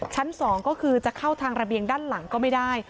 ชั้น๒ก็คือจะเข้าทางระเบียงด้านหลังก็ไม่ได้